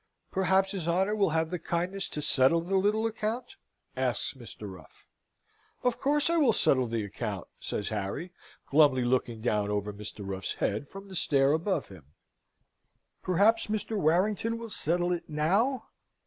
"Perhaps his honour will have the kindness to settle the little account?" asks Mr. Ruff. "Of course I will settle the account," says Harry, glumly looking down over Mr. Ruffs head from the stair above him. "Perhaps Mr. Warrington will settle it now?"